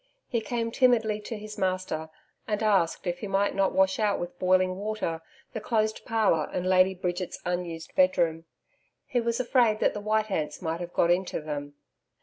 He came timidly to his master, and asked if he might not wash out with boiling water the closed parlour and Lady Bridget's unused bedroom. He was afraid that the white ants might have got into them.